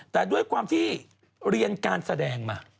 แต่ด้วยความที่เรียนการแสดงมา